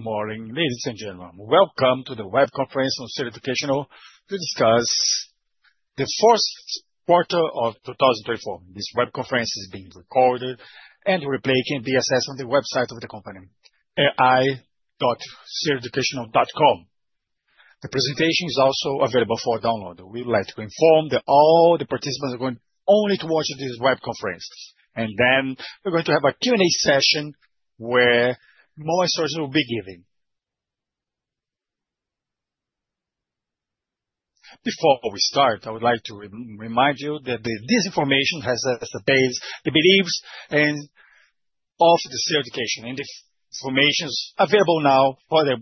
Good morning, ladies and gentlemen. Welcome to the web conference on Ser Educacional to discuss the fourth quarter of 2024. This web conference is being recorded and will be accessed on the website of the company, ai.sereducacional.com. The presentation is also available for download. We would like to inform that all the participants are going only to watch this web conference, and then we are going to have a Q&A session where more instructions will be given. Before we start, I would like to remind you that this information has the base, the beliefs, and of the Ser Educacional. And the information is available now for the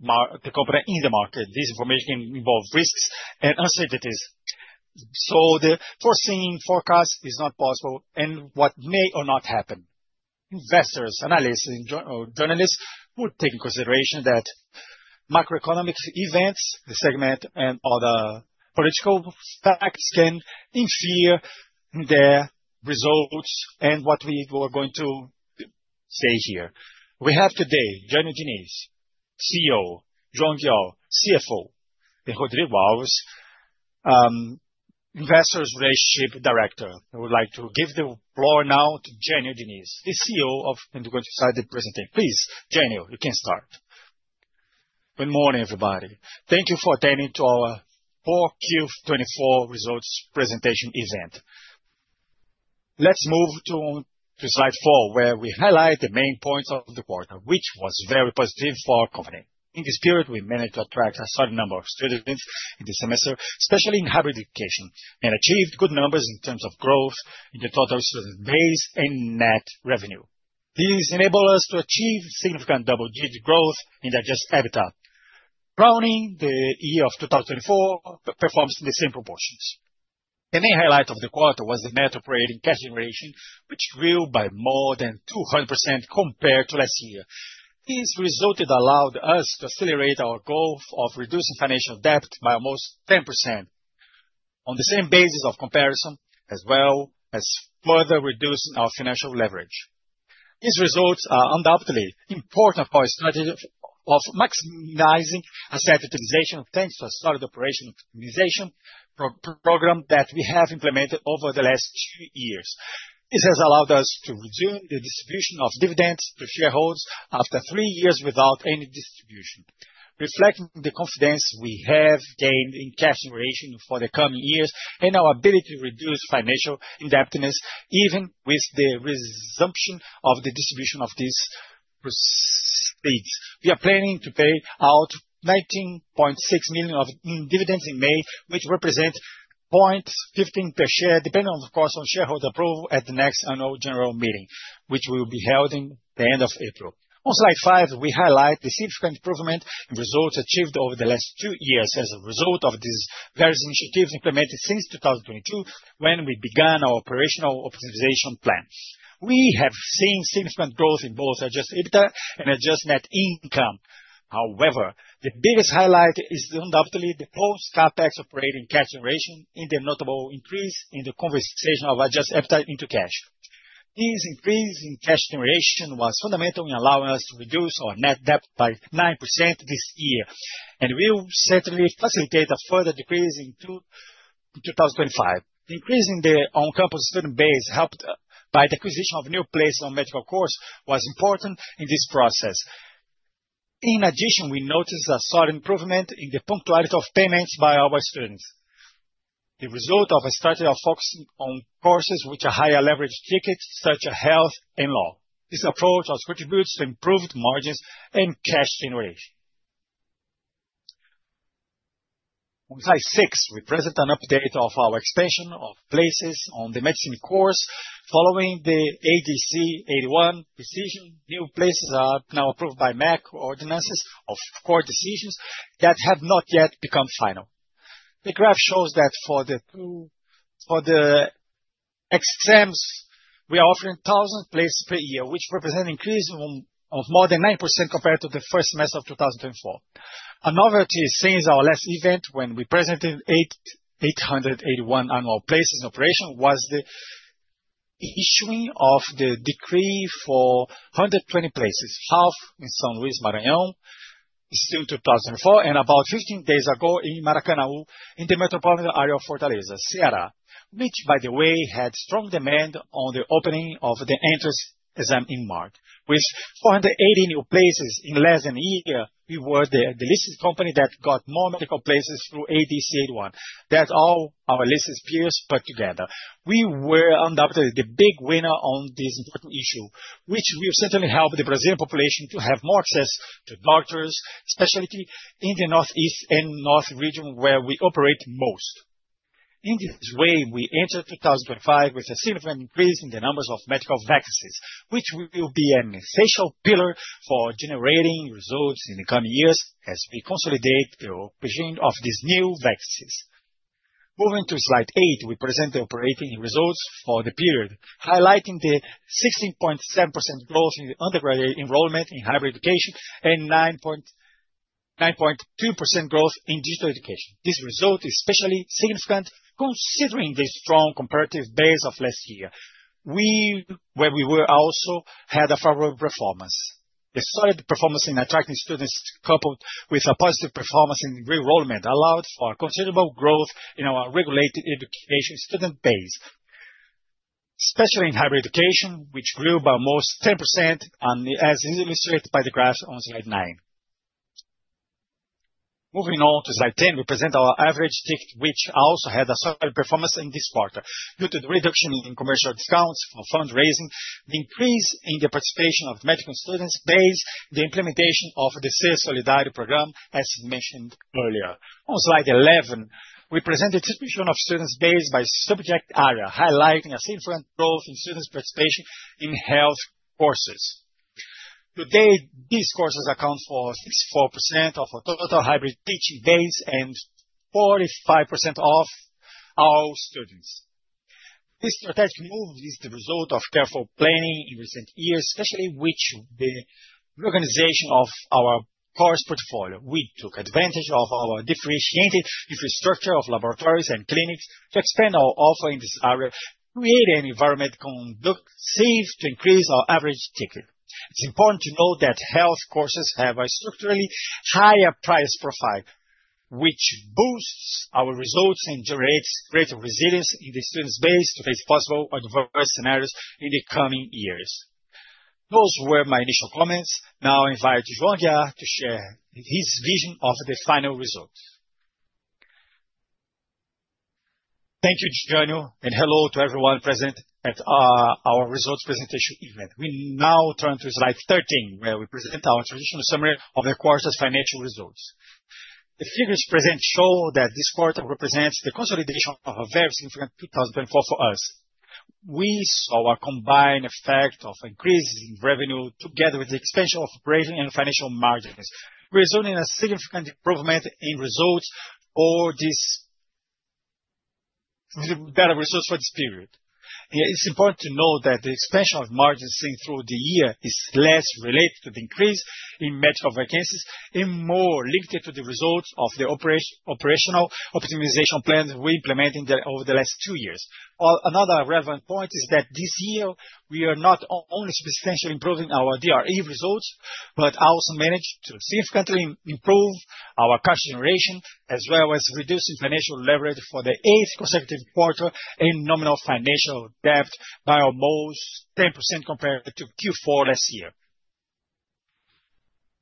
company in the market. This information involves risks and uncertainties. The foreseeing forecast is not possible, and what may or may not happen. Investors, analysts, and journalists will take into consideration that macroeconomic events, the segment, and other political facts can interfere their results and what we were going to say here. We have today Jânyo Diniz, CEO, João Aguiar, CFO, and Rodrigo Alves, Investor Relations Director. I would like to give the floor now to Jânyo Diniz, the CEO of, and we're going to start the presentation. Please, Jânyo, you can start. Good morning, everybody. Thank you for attending to our 4Q 2024 Results Presentation Event. Let's move to slide four, where we highlight the main points of the quarter, which was very positive for our company. In this period, we managed to attract a certain number of students in the semester, especially in hybrid education, and achieved good numbers in terms of growth in the total student base and net revenue. This enabled us to achieve significant double-digit growth in the adjusted EBITDA, crowning the year of 2024 performance in the same proportions. The main highlight of the quarter was the net operating cash generation, which grew by more than 200% compared to last year. This result allowed us to accelerate our goal of reducing financial debt by almost 10% on the same basis of comparison, as well as further reducing our financial leverage. These results are undoubtedly important for our strategy of maximizing asset utilization thanks to a solid operational optimization program that we have implemented over the last two years. This has allowed us to resume the distribution of dividends to shareholders after three years without any distribution, reflecting the confidence we have gained in cash generation for the coming years and our ability to reduce financial indebtedness even with the resumption of the distribution of these proceeds. We are planning to pay out 19.6 million in dividends in May, which represents 0.15 per share, depending, of course, on shareholder approval at the next annual general meeting, which will be held in the end of April. On slide five, we highlight the significant improvement in results achieved over the last two years as a result of these various initiatives implemented since 2022 when we began our operational optimization plan. We have seen significant growth in both adjusted EBITDA and adjusted net income. However, the biggest highlight is undoubtedly the post-CAPEX operating cash generation in the notable increase in the conversion of adjusted EBITDA into cash. This increase in cash generation was fundamental in allowing us to reduce our net debt by 9% this year, and will certainly facilitate a further decrease in 2025. The increase in the on-campus student base helped by the acquisition of new places on medical courses was important in this process. In addition, we noticed a sudden improvement in the punctuality of payments by our students, the result of a strategy of focusing on courses which are higher average tickets, such as health and law. This approach contributes to improved margins and cash generation. On slide six, we present an update of our expansion of places on the medicine course. Following the ADC 81 decision, new places are now approved by MEC ordinances of court decisions that have not yet become final. The graph shows that for the exams, we are offering 1,000 places per year, which represents an increase of more than 9% compared to the first semester of 2024. Another thing since our last event, when we presented 881 annual places in operation, was the issuing of the decree for 120 places, half in São Luís, Maranhão, still 2024, and about 15 days ago in Maracanaú, in the metropolitan area of Fortaleza, Ceará, which, by the way, had strong demand on the opening of the entrance exam in March. With 480 new places in less than a year, we were the listed company that got more medical places through ADC 81 than all our listed peers put together. We were undoubtedly the big winner on this important issue, which will certainly help the Brazilian population to have more access to doctors, especially in the northeast and north region where we operate most. In this way, we entered 2025 with a significant increase in the numbers of medical vacancies, which will be an essential pillar for generating results in the coming years as we consolidate the provision of these new vacancies. Moving to slide eight, we present the operating results for the period, highlighting the 16.7% growth in undergraduate enrollment in hybrid education and 9.2% growth in digital education. This result is especially significant considering the strong comparative base of last year, where we also had a favorable performance. The solid performance in attracting students coupled with a positive performance in re-enrollment allowed for considerable growth in our regulated education student base, especially in hybrid education, which grew by almost 10%, as illustrated by the graph on slide nine. Moving on to slide 10, we present our average ticket, which also had a solid performance in this quarter due to the reduction in commercial discounts for fundraising, the increase in the participation of medical students based on the implementation of the Ser Solidário Program, as mentioned earlier. On slide 11, we present the distribution of students based by subject area, highlighting a significant growth in students' participation in health courses. Today, these courses account for 64% of our total hybrid teaching base and 45% of our students. This strategic move is the result of careful planning in recent years, especially with the reorganization of our course portfolio. We took advantage of our depreciated infrastructure of laboratories and clinics to expand our offer in this area, creating an environment conducive to increase our average ticket. It's important to note that health courses have a structurally higher price profile, which boosts our results and generates greater resilience in the students' base to face possible adverse scenarios in the coming years. Those were my initial comments. Now I invite João Aguiar to share his vision of the final results. Thank you, Jânyo, and hello to everyone present at our results presentation event. We now turn to slide 13, where we present our traditional summary of the course's financial results. The figures present show that this quarter represents the consolidation of a very significant 2024 for us. We saw a combined effect of increases in revenue together with the expansion of operating and financial margins, resulting in a significant improvement in results or better results for this period. It's important to note that the expansion of margins seen through the year is less related to the increase in medical vacancies and more linked to the results of the operational optimization plans we implemented over the last two years. Another relevant point is that this year, we are not only substantially improving our DRE results, but also managed to significantly improve our cash generation, as well as reducing financial leverage for the eighth consecutive quarter and nominal financial debt by almost 10% compared to Q4 last year.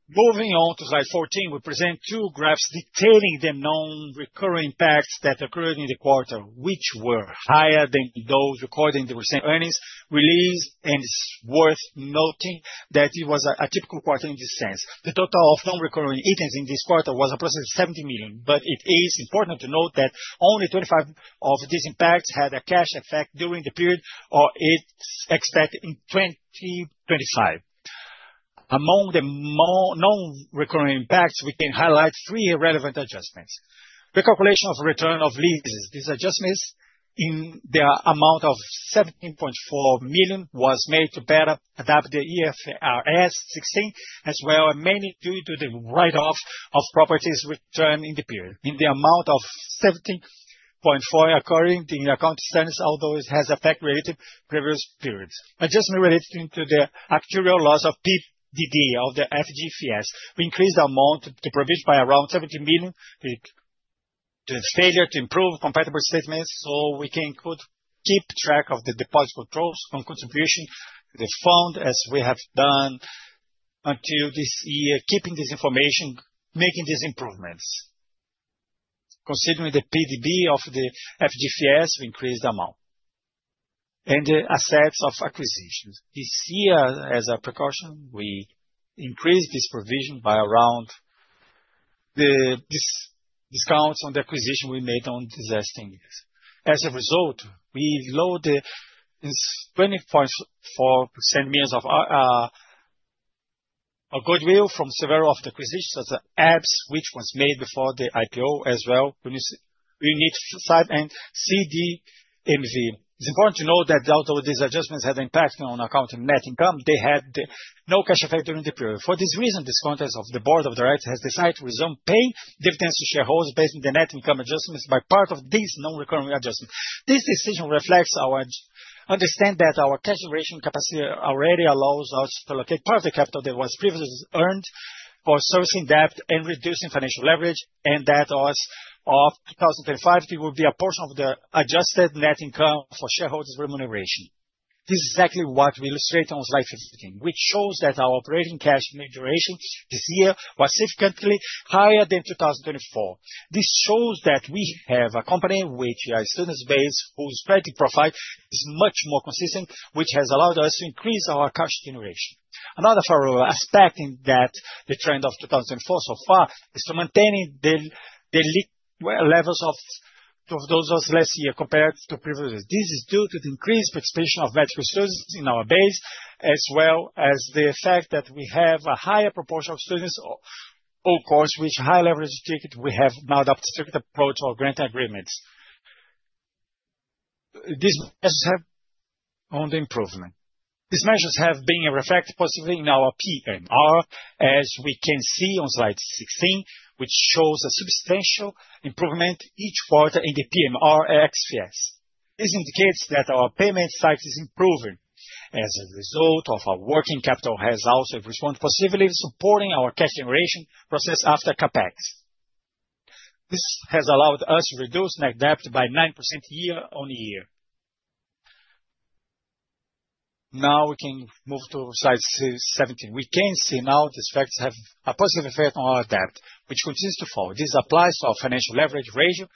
Moving on to slide 14, we present two graphs detailing the known recurring impacts that occurred in the quarter, which were higher than those recorded in the recent earnings release. It is worth noting that it was a typical quarter in this sense. The total of non-recurring items in this quarter was approximately 70 million, but it is important to note that only 25% of these impacts had a cash effect during the period or is expected in 2025. Among the known recurring impacts, we can highlight three relevant adjustments. Recalculation of return of leases. These adjustments in the amount of 17.4 million was made to better adapt the IFRS 16, as well as mainly due to the write-off of properties returned in the period. In the amount of 17.4, according to the account status, although it has affected relative previous periods. Adjustment related to the actuarial loss of PDD of the FIES. We increased the amount to provision by around 17 million due to the failure to improve compatible statements, so we can keep track of the deposit controls on contribution to the fund, as we have done until this year, keeping this information, making these improvements. Considering the PDD of the FIES, we increased the amount and the assets of acquisitions. This year, as a precaution, we increased this provision by around the discounts on the acquisition we made on the last 10 years. As a result, we lowered the BRL 20.4 millions of a goodwill from several of the acquisitions, such as ABES, which were made before the IPO, as well. UNI7 and CDMV. It's important to note that although these adjustments had an impact on accounting net income, they had no cash effect during the period. For this reason, the board of directors have decided to resume paying dividends to shareholders based on the net income adjustments by part of these non-recurring adjustments. This decision reflects our understanding that our cash generation capacity already allows us to allocate part of the capital that was previously earmarked for servicing debt and reducing financial leverage, and that as of 2025, it will be a portion of the adjusted net income for shareholders' remuneration. This is exactly what we illustrate on slide 15, which shows that our operating cash generation this year was significantly higher than 2024. This shows that we have a company which has a student base whose credit profile is much more consistent, which has allowed us to increase our cash generation. Another further aspect in that the trend of 2024 so far is to maintain the levels of those of last year compared to previous years. This is due to the increased participation of medical students in our base, as well as the fact that we have a higher proportion of students on course, which high average ticket we have now adopted strict approach or grant agreements. These measures have on the improvement. These measures have been reflected positively in our PMR, as we can see on slide 16, which shows a substantial improvement each quarter in the PMR ex-FIES. This indicates that our payment cycle is improving as a result of our working capital has also responded positively, supporting our cash generation process after CapEx. This has allowed us to reduce net debt by 9% year on year. Now we can move to slide 17. We can see now these factors have a positive effect on our debt, which continues to fall. This applies to our financial leverage ratio,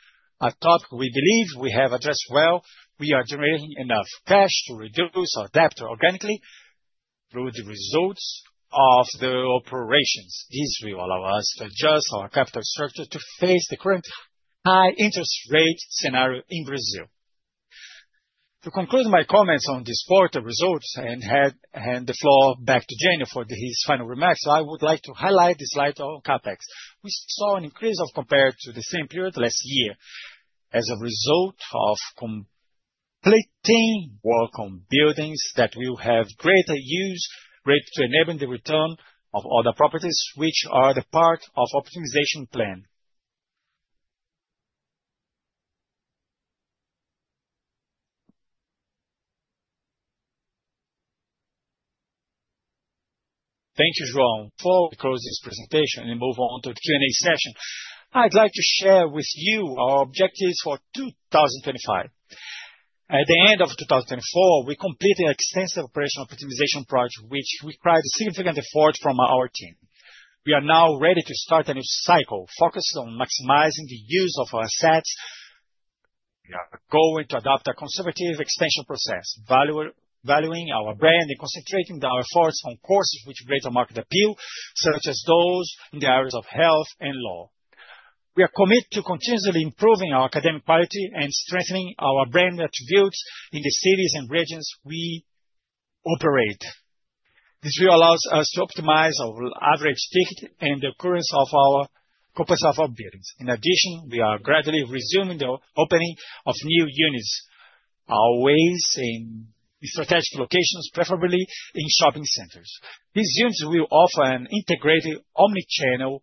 a topic we believe we have addressed well. We are generating enough cash to reduce our debt organically through the results of the operations. This will allow us to adjust our capital structure to face the current high interest rate scenario in Brazil. To conclude my comments on this quarter results and hand the floor back to Jânyo for his final remarks, I would like to highlight the slide on CapEx. We saw an increase compared to the same period last year as a result of completing work on buildings that will have greater use rate to enable the return of other properties, which are the part of optimization plan. Thank you, João. Before we close this presentation and move on to the Q&A session, I'd like to share with you our objectives for 2025. At the end of 2024, we completed an extensive operational optimization project, which required a significant effort from our team. We are now ready to start a new cycle focused on maximizing the use of our assets, going to adopt a conservative expansion process, valuing our brand and concentrating our efforts on courses which create a market appeal, such as those in the areas of health and law. We are committed to continuously improving our academic quality and strengthening our brand attributes in the cities and regions we operate. This will allow us to optimize our average ticket and the occurrence of our campuses of our buildings. In addition, we are gradually resuming the opening of new units, our ways in strategic locations, preferably in shopping centers. These units will offer an integrated omnichannel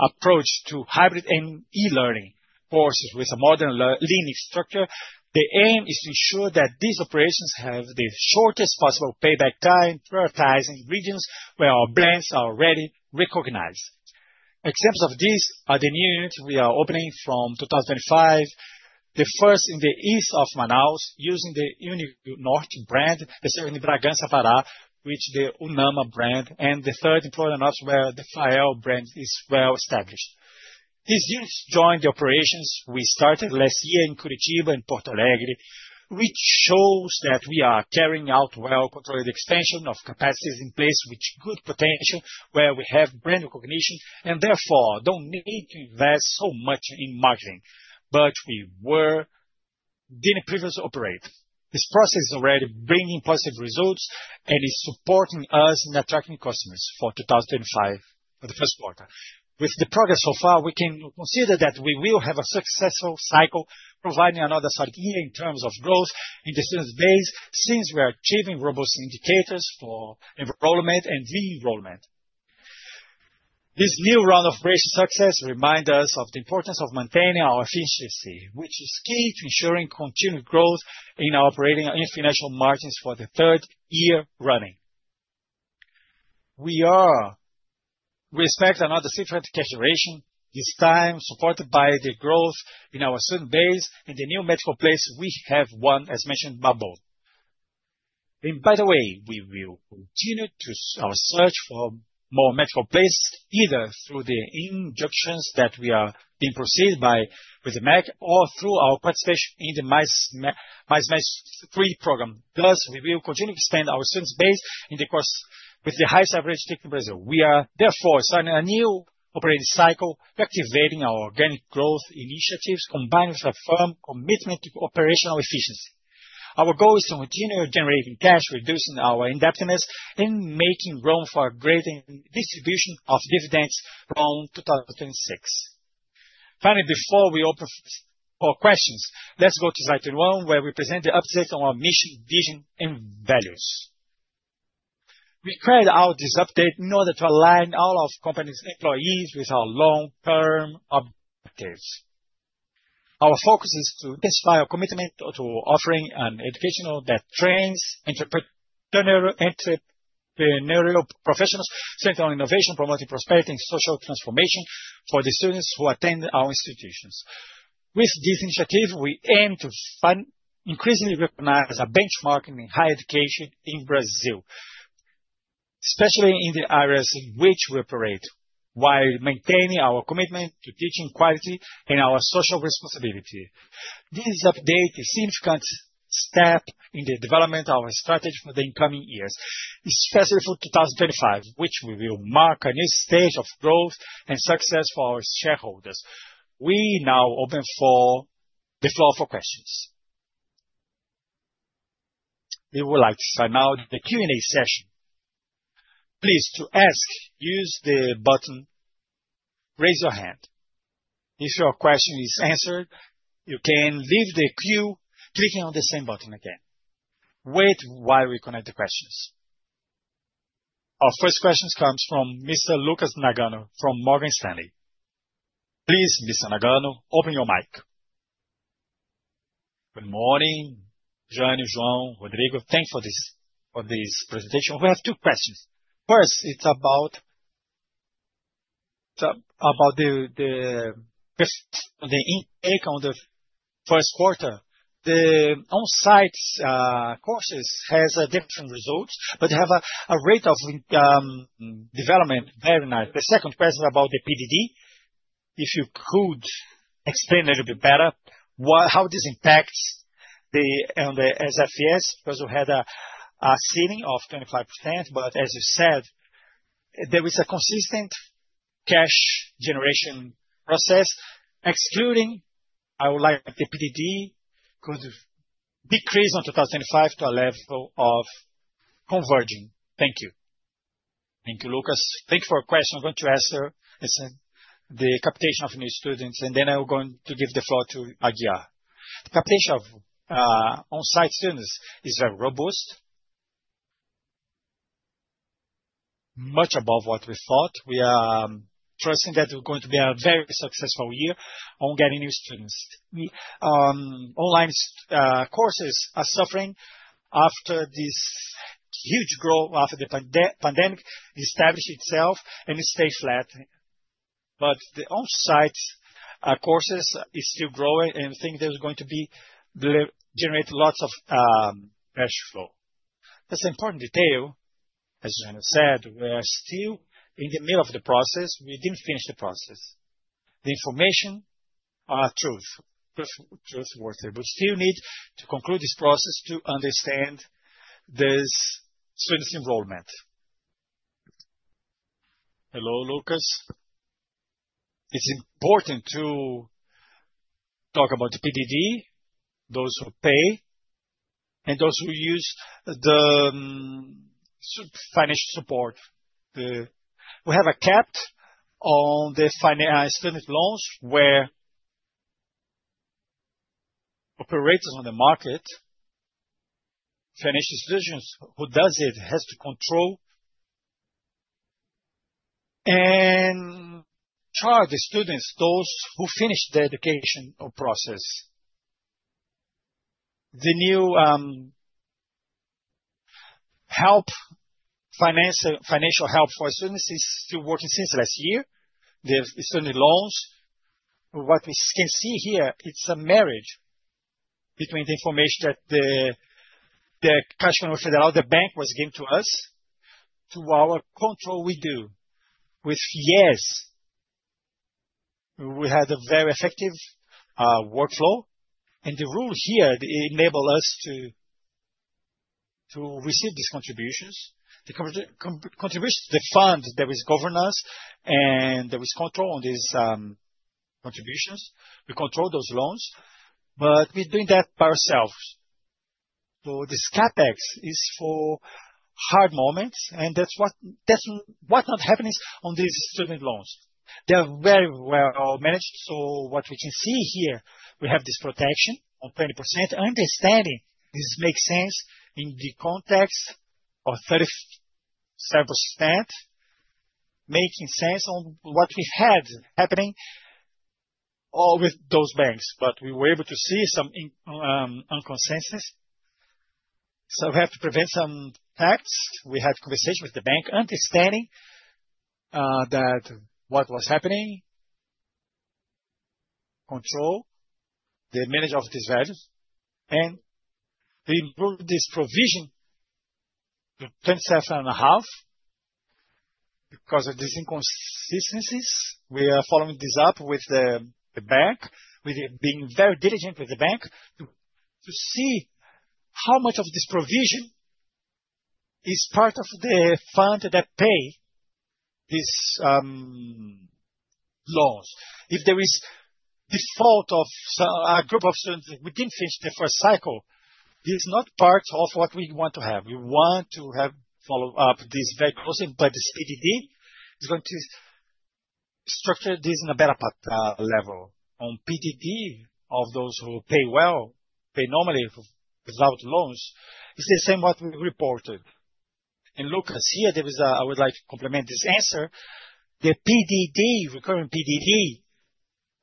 approach to hybrid and e-learning courses with a modern learning structure. The aim is to ensure that these operations have the shortest possible payback time, prioritizing regions where our brands are already recognized. Examples of these are the new units we are opening from 2025, the first in the east of Manaus, using the UNINORTE brand, especially in Bragança, Pará, with the UNAMA brand, and the third in Florianópolis, where the UNIFAEL brand is well established. These units join the operations we started last year in Curitiba and Porto Alegre, which shows that we are carrying out well-controlled expansion of capacities in place with good potential, where we have brand recognition and therefore do not need to invest so much in marketing, but we did not previously operate. This process is already bringing positive results and is supporting us in attracting customers for 2025, for the first quarter. With the progress so far, we can consider that we will have a successful cycle, providing another solid year in terms of growth in the students' base since we are achieving robust indicators for enrollment and re-enrollment. This new round of great success reminds us of the importance of maintaining our efficiency, which is key to ensuring continued growth in our operating and financial margins for the third year running. We expect another significant cash generation, this time supported by the growth in our student base and the new medical place we have won, as mentioned, Maracanaú. By the way, we will continue our search for more medical places, either through the injunctions that we are being proceeded by with the MEC or through our participation in the Mais Médicos 3 program. Thus, we will continue to expand our students' base in the course with the highest average ticket in Brazil. We are therefore starting a new operating cycle, activating our organic growth initiatives combined with a firm commitment to operational efficiency. Our goal is to continue generating cash, reducing our indebtedness, and making room for a greater distribution of dividends from 2026. Finally, before we open for questions, let's go to slide 21, where we present the update on our mission, vision, and values. We created this update in order to align all of the company's employees with our long-term objectives. Our focus is to intensify our commitment to offering an educational that trains entrepreneurial professionals centered on innovation, promoting prosperity and social transformation for the students who attend our institutions. With this initiative, we aim to fund increasingly recognized a benchmark in higher education in Brazil, especially in the areas in which we operate, while maintaining our commitment to teaching quality and our social responsibility. This update is a significant step in the development of our strategy for the incoming years, especially for 2025, which we will mark a new stage of growth and success for our shareholders. We now open for the floor for questions. We would like to start out the Q&A session. Please to ask, use the button raise your hand. If your question is answered, you can leave the queue clicking on the same button again. Wait while we connect the questions. Our first question comes from Mr. Lucas Nagano from Morgan Stanley. Please, Mr. Nagano, open your mic. Good morning, Jânyo, João, Rodrigo. Thanks for this presentation. We have two questions. First, it's about the intake on the first quarter. The on-site courses have different results, but they have a rate of development. Very nice. The second question is about the PDD. If you could explain a little bit better how this impacts the ex-FIES, because we had a ceiling of 25%, but as you said, there is a consistent cash generation process, excluding. I would like the PDD could decrease on 2025 to a level of converging. Thank you. Thank you, Lucas. Thank you for your question. I'm going to answer the capitation of new students, and then I'm going to give the floor to Aguiar. The capitation of on-site students is very robust, much above what we thought. We are trusting that we're going to be a very successful year on getting new students. Online courses are suffering after this huge growth after the pandemic established itself and stayed flat. The on-site courses are still growing, and I think there's going to be generated lots of cash flow. That's an important detail. As João said, we are still in the middle of the process. We didn't finish the process. The information is trustworthy, but we still need to conclude this process to understand this student enrollment. Hello, Lucas. It's important to talk about the PDD, those who pay, and those who use the financial support. We have a cap on the student loans where operators on the market finish decisions. Who does it has to control and charge the students, those who finish the education process. The new help, financial help for students is still working since last year. The student loans, what we can see here, it's a marriage between the information that the cash fund of the bank was given to us to our control we do. Yes, we had a very effective workflow, and the rule here enabled us to receive these contributions. The contributions, the fund, there is governance, and there is control on these contributions. We control those loans, but we're doing that by ourselves. This CapEx is for hard moments, and that's what's not happening on these student loans. They are very well managed. What we can see here, we have this protection of 20%. Understanding this makes sense in the context of 37%, making sense on what we had happening with those banks, but we were able to see some inconsistencies. We have to prevent some facts. We had conversations with the bank, understanding that what was happening, control, the manager of these values, and we improved this provision to 27.5% because of these inconsistencies. We are following this up with the bank, being very diligent with the bank to see how much of this provision is part of the fund that pays these loans. If there is default of a group of students that we did not finish the first cycle, this is not part of what we want to have. We want to have follow-up of this very closely, but this PDD is going to structure this in a better level. On PDD of those who pay well, pay normally without loans, it's the same what we reported. Lucas, here there is a, I would like to complement this answer. The PDD, recurring PDD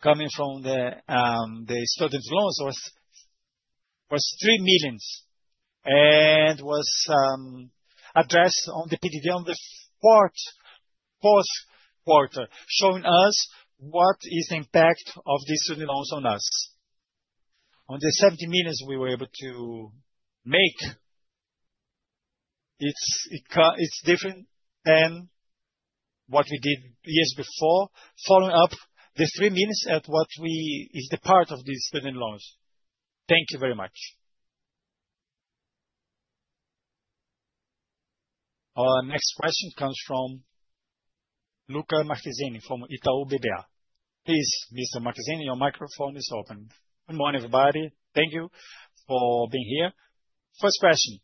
coming from the student loans was 3 million and was addressed on the PDD on the fourth quarter, showing us what is the impact of these student loans on us. On the 70 million we were able to make, it's different than what we did years before. Following up the 3 million at what is the part of these student loans. Thank you very much. Our next question comes from Lucca Marquezini from Itaú BBA. Please, Mr. Marquezini, your microphone is open. Good morning, everybody. Thank you for being here. First question.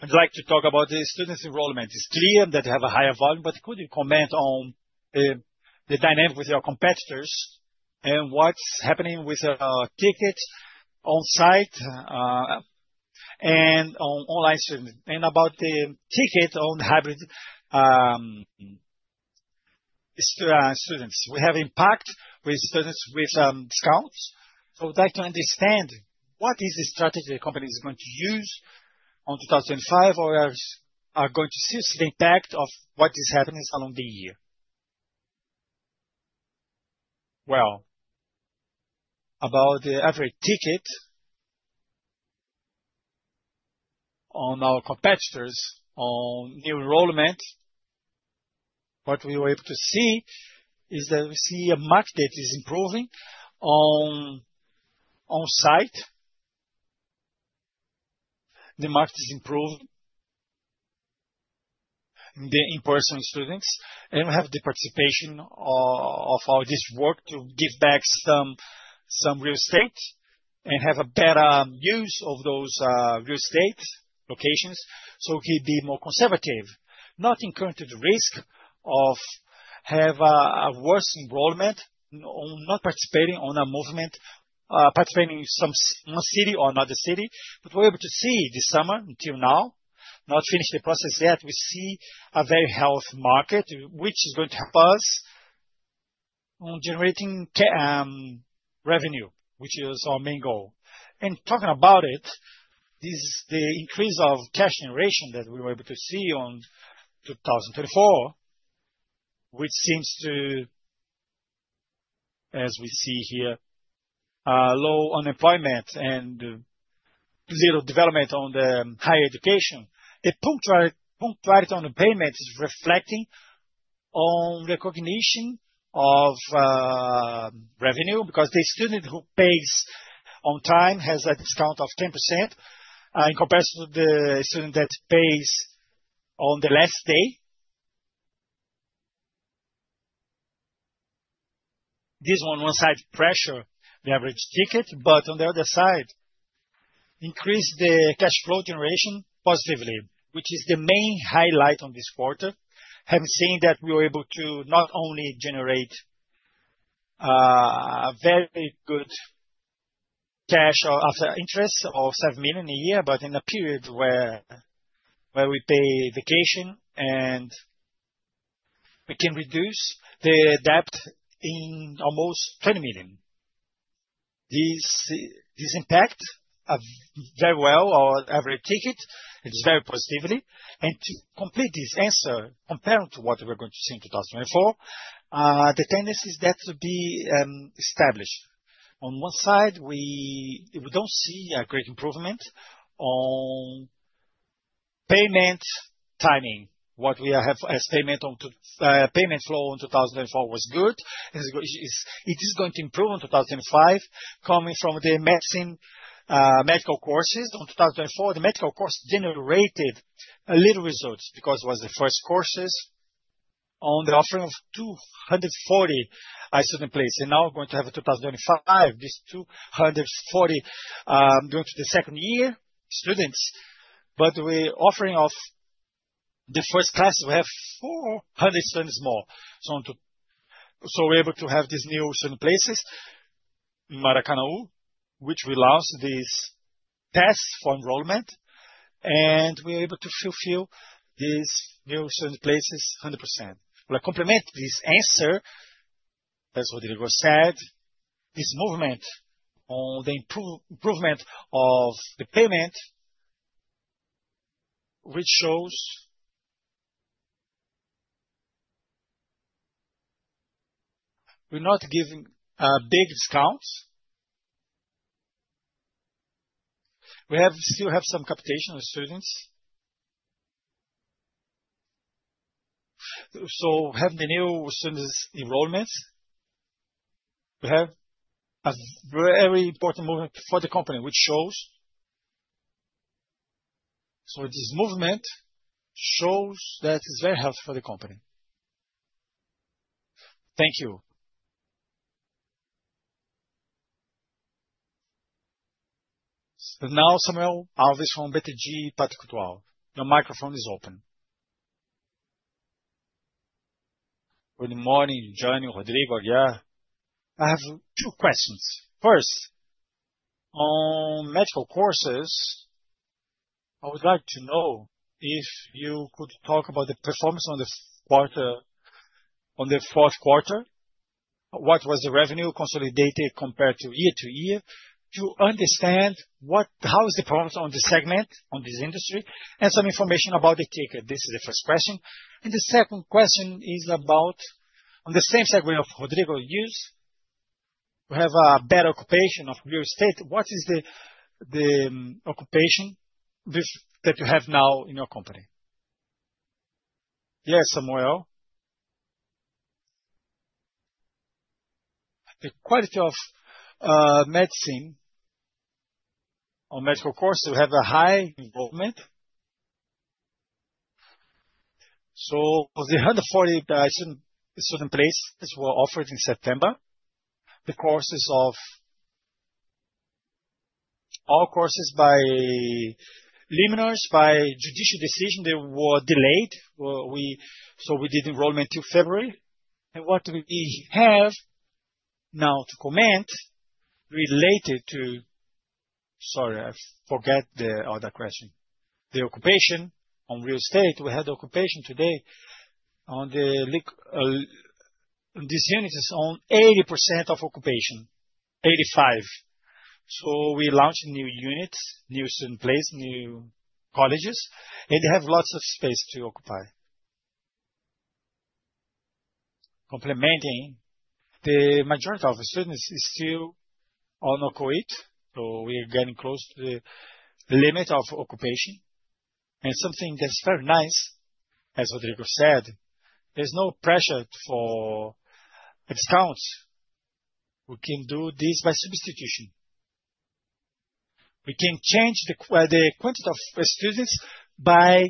I'd like to talk about the student enrollment. It's clear that they have a higher volume, but could you comment on the dynamic with your competitors and what's happening with tickets on-site and online students? About the tickets on hybrid students. We have impact with students with discounts. I would like to understand what is the strategy the company is going to use on 2025 or are going to see the impact of what is happening along the year? About the average ticket on our competitors on new enrollment, what we were able to see is that we see a market that is improving on-site. The market is improving in the in-person students, and we have the participation of our district work to give back some real estate and have a better use of those real estate locations so we could be more conservative, not incurring the risk of having a worse enrollment on not participating in a movement, participating in some city or another city. We are able to see this summer until now, not finished the process yet, we see a very healthy market, which is going to help us in generating revenue, which is our main goal. Talking about it, the increase of cash generation that we were able to see in 2024, which seems to, as we see here, low unemployment and zero development on the higher education, the punctuality on the payment is reflecting on recognition of revenue because the student who pays on time has a discount of 10% in comparison to the student that pays on the last day. This one on one side pressures the average ticket, but on the other side, increased the cash flow generation positively, which is the main highlight of this quarter, having seen that we were able to not only generate very good cash after interest of 7 million a year, but in a period where we pay vacation and we can reduce the debt in almost 20 million. This impact very well on average ticket. It's very positively. To complete this answer, comparing to what we're going to see in 2024, the tendency is that to be established. On one side, we don't see a great improvement on payment timing. What we have as payment flow in 2024 was good. It is going to improve in 2025, coming from the medical courses. In 2024, the medical course generated little results because it was the first courses on the offering of 240 student places. Now we're going to have 2025, these 240 going to the second year. Students, but we're offering the first class, we have 400 students more. We are able to have these new student places in Maracanaú, which we launched these tests for enrollment, and we're able to fulfill these new student places 100%. We'll complement this answer, as Rodrigo said, this movement on the improvement of the payment, which shows we're not giving big discounts. We still have some capitation of students. Having the new students' enrollments, we have a very important movement for the company, which shows this movement is very healthy for the company. Thank you. Now, Samuel Alves from BTG Pactual. Your microphone is open. Good morning, Jânyo, Rodrigo, Aguiar. I have two questions. First, on medical courses, I would like to know if you could talk about the performance in the fourth quarter. What was the revenue consolidated compared to year to year to understand how is the performance in the segment, in this industry, and some information about the ticket. This is the first question. The second question is about, on the same segment of Rodrigo, we have a better occupation of real estate. What is the occupation that you have now in your company? Yes, Samuel. The quality of medicine on medical courses, we have a high involvement. The 140 student places were offered in September. The courses of all courses by liminares, by judicial decision, they were delayed. We did enrollment in February. What do we have now to comment related to, sorry, I forget the other question. The occupation on real estate, we had occupation today on these units on 80% of occupation, 85%. We launched new units, new student places, new colleges, and they have lots of space to occupy. Complementing, the majority of students is still on our cohort. We are getting close to the limit of occupation. Something that's very nice, as Rodrigo said, there's no pressure for discounts. We can do this by substitution. We can change the quantity of students by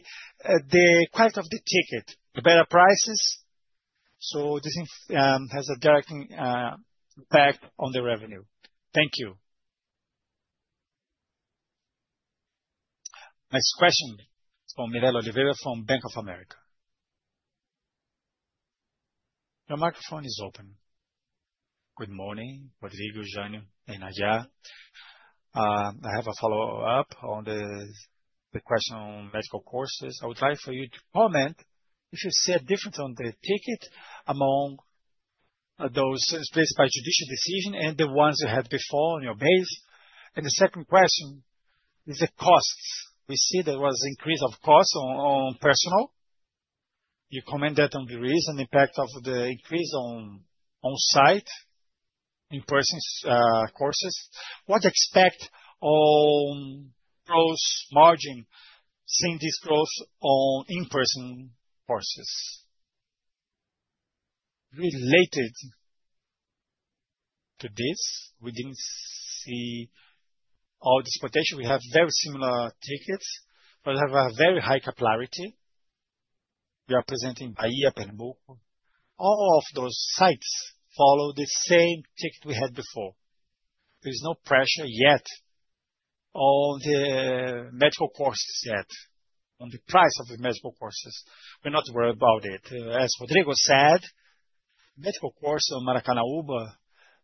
the quality of the ticket, the better prices. This has a direct impact on the revenue. Thank you. Next question from Mirela Oliveira from Bank of America. Your microphone is open. Good morning, Rodrigo, João, and Aguiar. I have a follow-up on the question on medical courses. I would like for you to comment if you see a difference on the ticket among those placed by judicial decision and the ones you had before on your base. The second question is the costs. We see there was an increase of costs on personnel. You commented on the reason and impact of the increase on-site in-person courses. What do you expect on gross margin seeing this growth on in-person courses? Related to this, we did not see all this potential. We have very similar tickets, but we have a very high capillarity. We are present in Bahia, Pernambuco. All of those sites follow the same ticket we had before. There is no pressure yet on the medical courses yet, on the price of the medical courses. We are not worried about it. As Rodrigo said, medical courses in Maracanaú,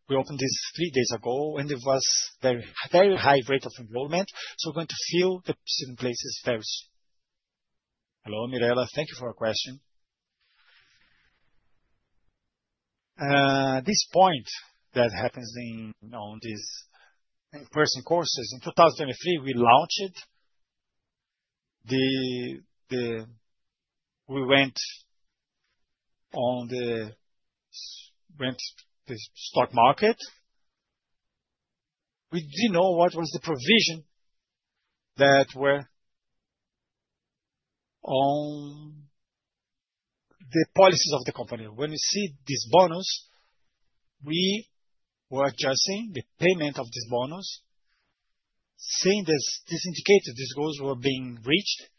we opened this three days ago, and it was a very high rate of enrollment. We are going to fill the student places very soon. Hello, Mirela. Thank you for your question. This point that happens on these in-person courses, in 2023, we launched the we went on the stock market. We did not know what was the provision that were on the policies of the company. When we see this bonus, we were adjusting the payment of this bonus, seeing this indicator, these goals were being reached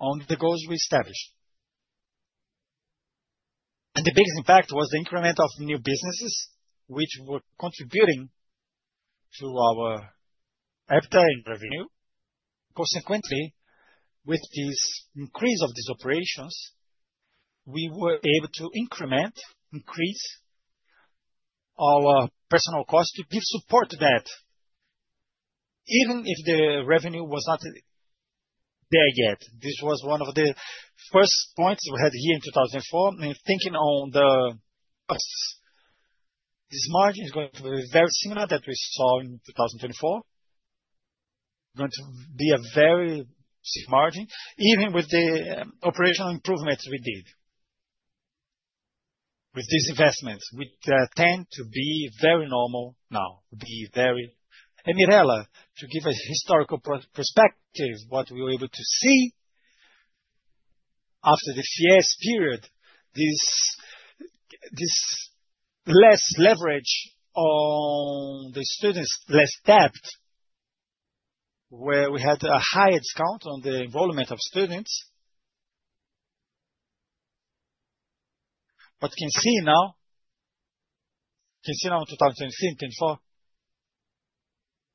on the goals we established. The biggest impact was the increment of new businesses, which were contributing to our appetite and revenue. Consequently, with this increase of these operations, we were able to increase our personnel cost to give support to that, even if the revenue was not there yet. This was one of the first points we had here in 2024. Thinking on the costs, this margin is going to be very similar to what we saw in 2024. We're going to be a very big margin, even with the operational improvements we did with these investments, which tend to be very normal now. Mirela, to give a historical perspective, what we were able to see after the FIES period, this less leverage on the students, less debt, where we had a higher discount on the enrollment of students. What you can see now, you can see now in 2023 and 2024, is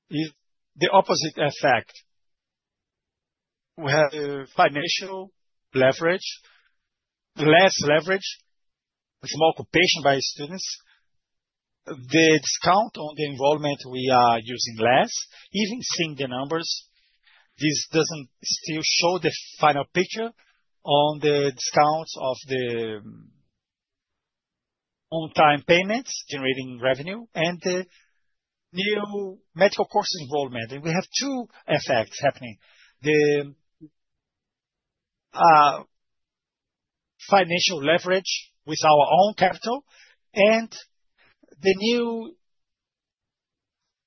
the opposite effect. We have financial leverage, less leverage, with more occupation by students. The discount on the enrollment, we are using less, even seeing the numbers. This does not still show the final picture on the discounts of the on-time payments generating revenue and the new medical courses enrollment. We have two effects happening. The financial leverage with our own capital and the new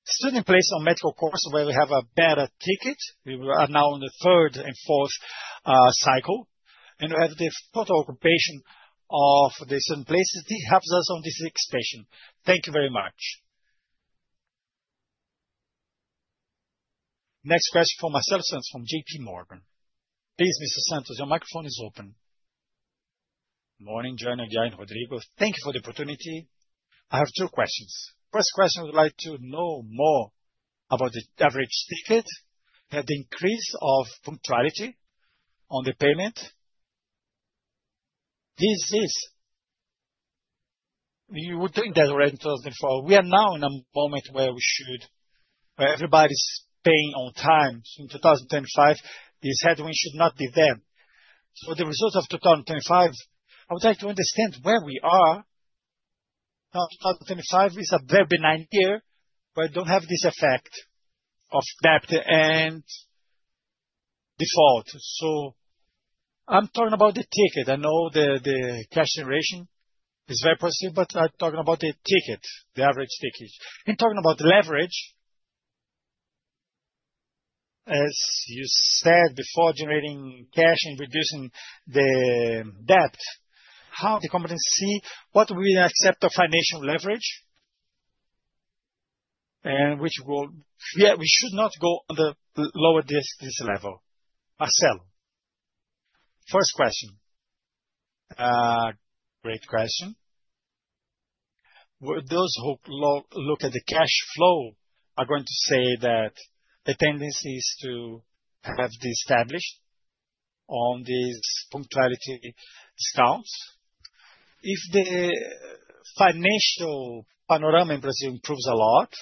student placed on medical courses where we have a better ticket. We are now in the third and fourth cycle, and we have the total occupation of the student places. This helps us on this expansion. Thank you very much. Next question from Marcelo Santos from JPMorgan. Please, Mr. Santos, your microphone is open. Good morning, Jânyo, Aguiar, and Rodrigo. Thank you for the opportunity. I have two questions. First question, I would like to know more about the average ticket. We had the increase of punctuality on the payment. This is we were doing that already in 2024. We are now in a moment where everybody's paying on time. In 2025, this headwind should not be there. The results of 2025, I would like to understand where we are. Now, 2025 is a very benign year where we do not have this effect of debt and default. I am talking about the ticket. I know the cash generation is very positive, but I am talking about the ticket, the average ticket. I'm talking about leverage, as you said before, generating cash and reducing the debt. How the company see what we accept of financial leverage, and which we should not go on the lower this level. Marcelo, first question. Great question. Those who look at the cash flow are going to say that the tendency is to have the established on these punctuality discounts. If the financial panorama in Brazil improves a lot,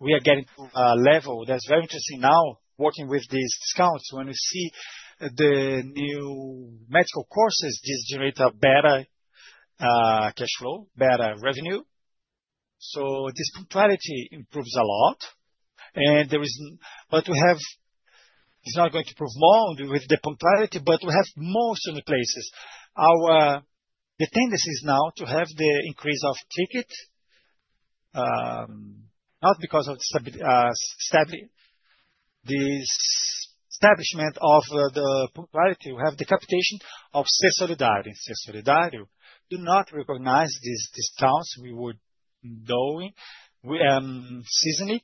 we are getting to a level that's very interesting now, working with these discounts. When we see the new medical courses, this generates a better cash flow, better revenue. This punctuality improves a lot. We have it's not going to improve more with the punctuality, but we have more student places. The tendency is now to have the increase of tickets, not because of the establishment of the punctuality. We have the capitation of Ser Solidário. Ser Solidário do not recognize these discounts. We were doing seasonally,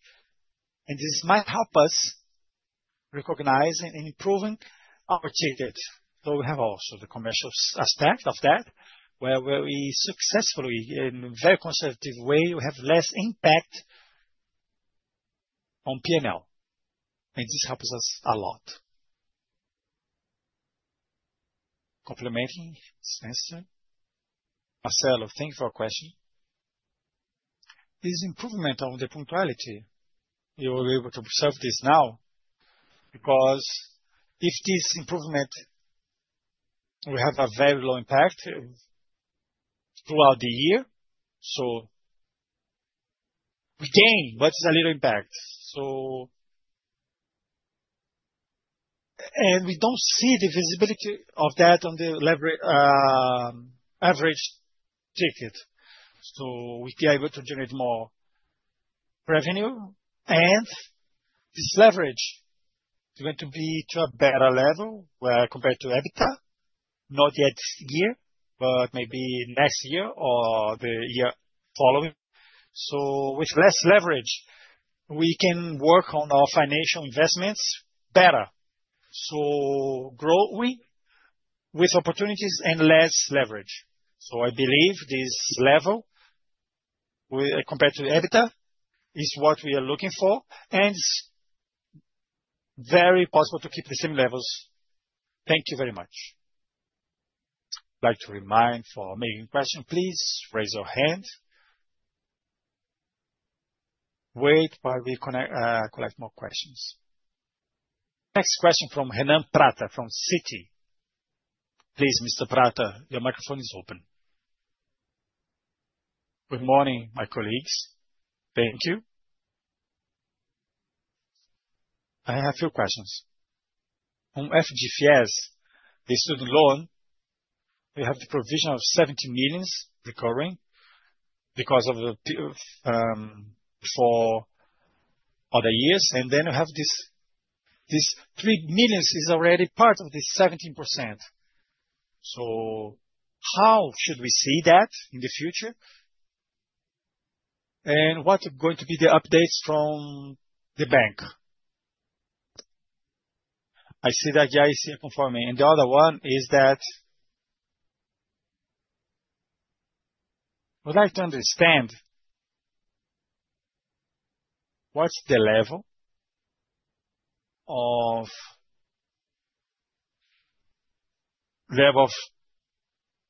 and this might help us recognize and improving our tickets. We have also the commercial aspect of that, where we successfully, in a very conservative way, have less impact on P&L. This helps us a lot. Complimenting this answer. Marcelo, thank you for your question. This improvement of the punctuality, you were able to observe this now, because if this improvement, we have a very low impact throughout the year. We gain, but it's a little impact. We don't see the visibility of that on the average ticket. We'd be able to generate more revenue. This leverage is going to be to a better level compared to EBITDA, not yet this year, maybe next year or the year following. With less leverage, we can work on our financial investments better. Growing with opportunities and less leverage. I believe this level, compared to EBITDA, is what we are looking for. It is very possible to keep the same levels. Thank you very much. I would like to remind, for making questions, please raise your hand. Wait while we collect more questions. Next question from Renan Prata from Citi. Please, Mr. Prata, your microphone is open. Good morning, my colleagues. Thank you. I have a few questions. On FIES, the student loan, we have the provision of 70 million recurring because of the other years. Then we have this 3 million is already part of the 17%. How should we see that in the future? What are going to be the updates from the bank? I see that you are here for me. The other one is that I would like to understand what's the level of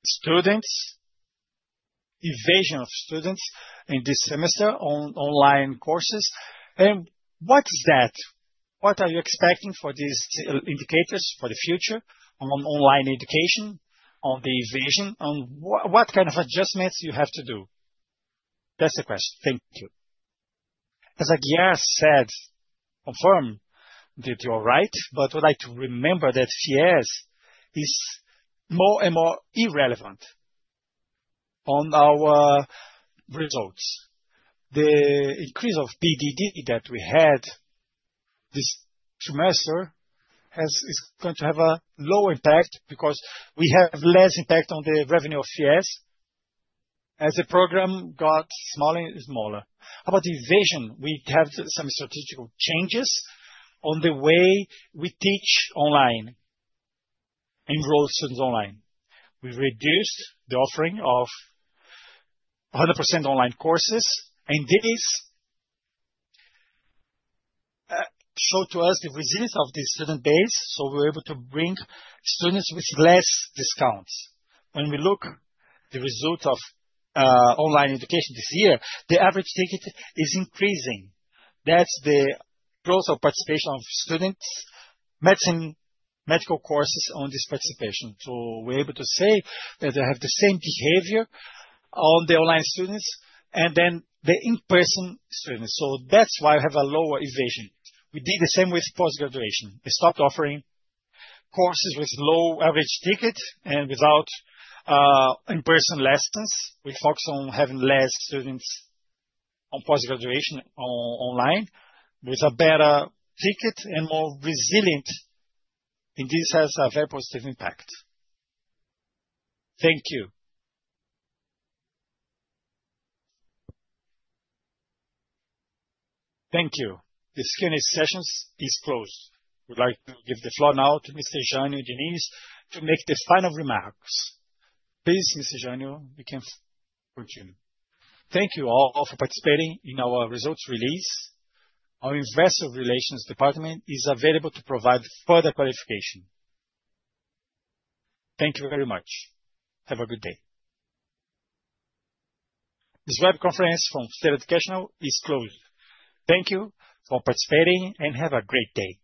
students, evasion of students in this semester on online courses. What is that? What are you expecting for these indicators for the future on online education, on the evasion, on what kind of adjustments you have to do? That's the question. Thank you. As Aguiar said, confirm that you're right, but I would like to remember that FIES is more and more irrelevant on our results. The increase of PDD that we had this semester is going to have a low impact because we have less impact on the revenue of FIES as the program got smaller and smaller. How about the evasion? We have some strategic changes on the way we teach online, enroll students online. We reduced the offering of 100% online courses. This showed to us the resilience of the student base. We were able to bring students with less discounts. When we look at the result of online education this year, the average ticket is increasing. That is the growth of participation of students, medical courses on this participation. We are able to say that they have the same behavior on the online students and the in-person students. That is why we have a lower evasion. We did the same with post-graduation. We stopped offering courses with low average ticket and without in-person lessons. We focus on having less students on post-graduation online with a better ticket and more resilient. This has a very positive impact. Thank you. Thank you. This Q&A session is closed. We would like to give the floor now to Mr. Jânyo Diniz to make the final remarks. Please, Mr. Jânyo, you can continue. Thank you all for participating in our results release. Our investor relations department is available to provide further clarification. Thank you very much. Have a good day. This web conference from Ser Educacional is closed. Thank you for participating and have a great day.